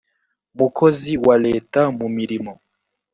mukozi wa leta mu mirimo